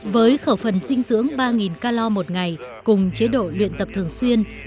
với khẩu phần dinh dưỡng ba calor một ngày cùng chế độ luyện tập thường xuyên